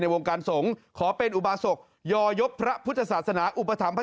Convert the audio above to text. มันอร่งเป็นเครื่องหมายการค้า